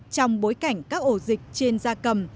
trong bối cảnh các ổ dịch trên ra cầm